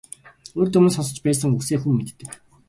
Урьд өмнө нь сонсож байсан үгсээ хүн мэддэг.